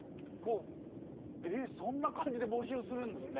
えっそんな感じで募集するんですね。